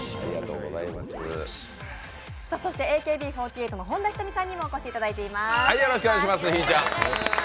そしてＡＫＢ４８の本田仁美さんにもお越しいただいています。